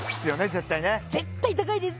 絶対ね絶対高いです